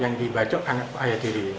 yang dibacok ayah tiri